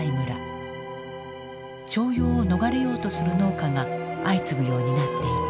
徴用を逃れようとする農家が相次ぐようになっていた。